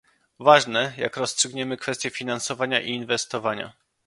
Ważne, jak rozstrzygniemy kwestię finansowania i inwestowania